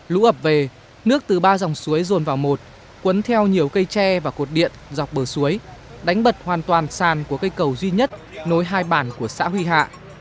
lũ ập về nước từ ba dòng suối rồn vào một cuốn theo nhiều cây tre và cột điện dọc bờ suối đánh bật hoàn toàn sàn của cây cầu duy nhất nối hai bản của xã huy hạ